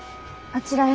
あちらへ。